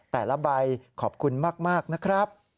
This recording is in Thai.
แต่ละใบขอบคุณมากนะครับ